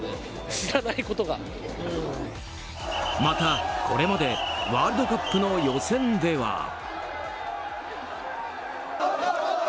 また、これまでワールドカップの予選では。